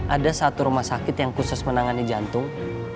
ada satu rumah sakit yang khusus menangani jantung